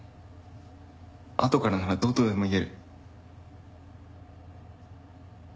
あとからならどうとでも言える。